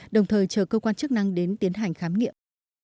đồng thời chờ cơ quan chức năng đến tiến hành khám nghiệm